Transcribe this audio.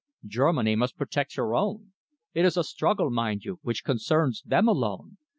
Germany must protect her own. It is a struggle, mind you, which concerns them alone.